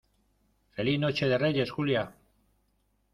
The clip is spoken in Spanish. feliz noche de Reyes, Julia.